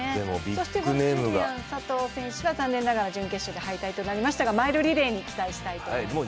そしてウォルシュ・ジュリアン選手と佐藤選手は、残念ながら準決勝敗退となりましたがマイルリレーに期待したいと思います。